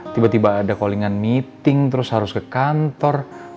tiba tiba ada callingan meeting terus harus ke kantor